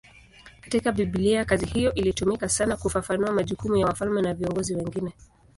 Katika Biblia kazi hiyo ilitumika sana kufafanua majukumu ya wafalme na viongozi wengine.